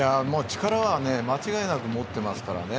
力は間違いなく持っていますからね。